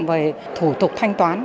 về thủ tục thanh toán